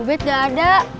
mau bed nggak ada